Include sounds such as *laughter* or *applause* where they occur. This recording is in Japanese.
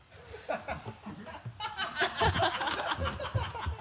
ハハハ *laughs*